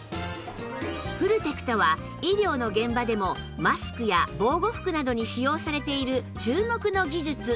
フルテクトは医療の現場でもマスクや防護服などに使用されている注目の技術